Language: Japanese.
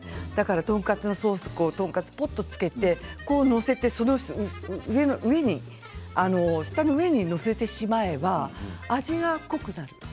トンカツのソースをちょっとつけて載せて舌の上に載せてしまえば味が濃くなる。